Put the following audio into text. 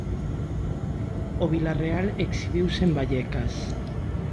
O Vilarreal exhibiuse en Vallecas.